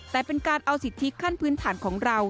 แต่เป็นการเอาสิทธิขั้นพื้นฐานของเรา